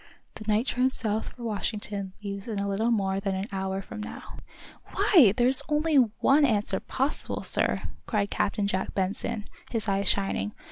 "The night train south for Washington leaves in a little more than an hour from now." "Why, there's only one answer possible, sir," cried Captain Jack Benson, his eyes shining.